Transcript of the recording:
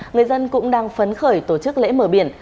người dân cũng đang phấn khởi tổ chức lễ mờ biển